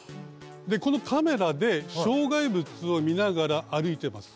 でこのカメラで障害物を見ながら歩いてます。